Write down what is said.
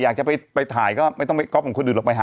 อยากจะไปถ่ายก็ไม่ต้องก๊อปของคุณหลุดออกไปหา